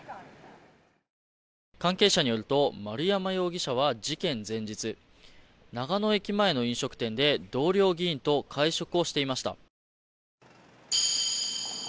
関係者によると丸山容疑者は事件前日長野駅前の飲食店で同僚議員と会食をしていました。